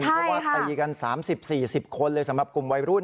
เพราะว่าตีกัน๓๐๔๐คนเลยสำหรับกลุ่มวัยรุ่น